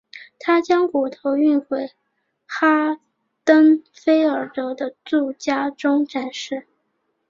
他将骨头运回哈登菲尔德的住家中展示。